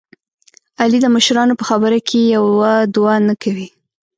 علي د مشرانو په خبره کې یوه دوه نه کوي.